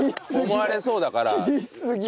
思われそうだから。